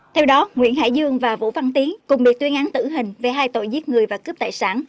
theo đó nguyễn hải dương và vũ văn tiến cùng bị tuyên án tử hình về hai tội giết người và cướp tài sản